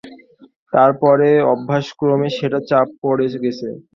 তার পরে অভ্যাসক্রমে সেটা চাপা পড়ে গেছে।